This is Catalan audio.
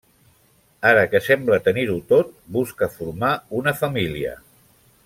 Ara que sembla tenir-ho tot, busca formar una família.